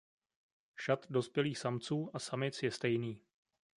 Šat dospělých samců a samic je stejný.